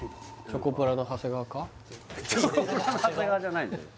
チョコプラの長谷川じゃないんだよ